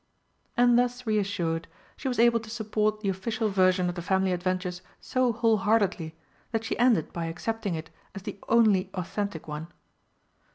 And thus reassured, she was able to support the official version of the family adventures so whole heartedly that she ended by accepting it as the only authentic one.